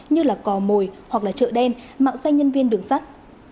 như là cò mồi hoặc là trợ đen mạo xanh nhân viên đường sắt